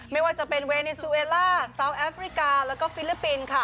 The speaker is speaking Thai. ไม่ว่าจะเป็นเวนิซูเอล่าซาวแอฟริกาแล้วก็ฟิลิปปินส์ค่ะ